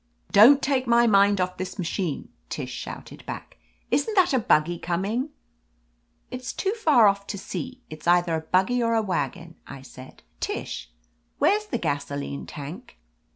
*T)on't take my mind off this machine!" Tish shouted back. "Isn't that a buggy com ing?" "It's too far off to see. It's either a buggy or a wagon," I said. "Tish, where's the gaso line tank?"